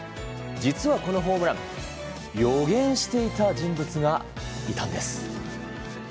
実はこのホームラン予言していた人物がいたんです。